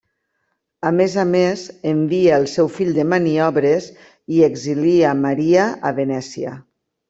A més a més envia el seu fill de maniobres i exilia Maria a Venècia.